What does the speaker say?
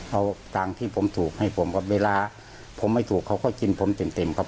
เอาตังค์ที่ผมถูกให้ผมครับเวลาผมไม่ถูกเขาก็กินผมเต็มครับ